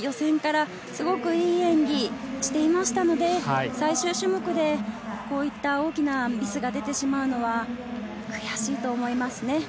予選からすごくいい演技をしていましたので、最終種目でこういった大きなミスが出てしまうのは悔しいと思いますね。